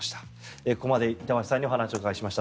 ここまで板橋さんにお話を伺いました。